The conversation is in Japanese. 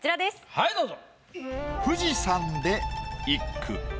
はいどうぞ。